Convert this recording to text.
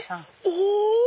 お！